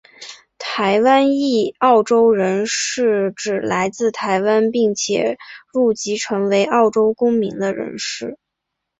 台湾裔澳洲人是指来自台湾并且入籍成为澳洲公民的人士。